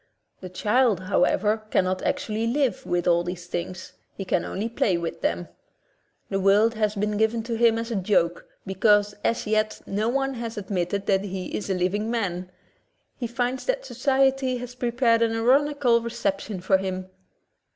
The child, however, cannot actually live with all these things — he can only play with them. The world has been given to him as a joke, because as yet no one has admitted that he is a living man. He finds that society has prepared an ironical re ception for him.